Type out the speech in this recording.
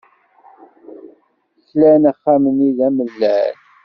Klan axxam-nni d amellal.